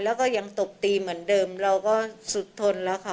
แล้วก็ยังตบตีเหมือนเดิมเราก็สุดทนแล้วค่ะ